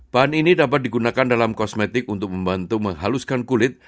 bahan ini dapat digunakan dalam kosmetik untuk membantu menghaluskan kulit